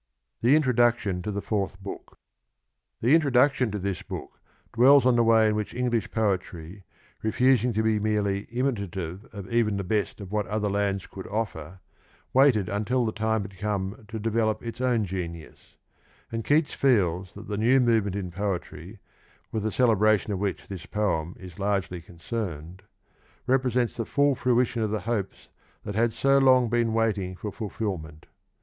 Tbeintrcduc Xhc introtiuction to this book dwells on ihe wav in tjon to thu ^ rc r:htoox. y;h[(.i^ English poetry, refusing to be merely imitative of even the best of what other lands could offer, waited until the time had come to develop its own genius; and Keats feels that the new movement in poetry, with the celebra tion of which this poem is largely concerned, represents the full fruition of the hopes that had so long been waiting for fulfilment.